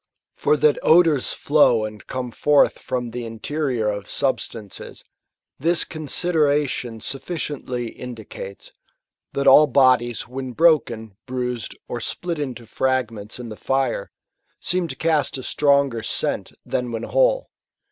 For that odours flow and come forth from the interior of substances, this consideration sufficiently indicates, that all bodies when broken, bruised, or split into fragments in the fire, seem to cast a stronger scent than when whole.